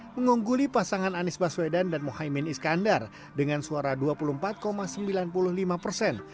mengungguli pasangan anies baswedan dan mohaimin iskandar dengan suara dua puluh empat sembilan puluh lima persen